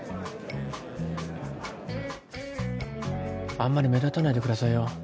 あんまり目立たないでくださいよ。